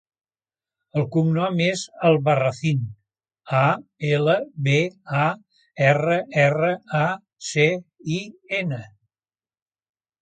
El cognom és Albarracin: a, ela, be, a, erra, erra, a, ce, i, ena.